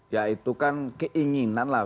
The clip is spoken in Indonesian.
ya itu kan keinginan lah